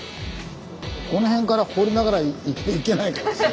この辺から掘りながら行けないからね。